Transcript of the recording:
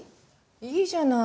いいじゃない。